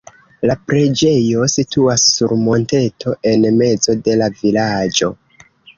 La preĝejo situas sur monteto en mezo de la vilaĝo.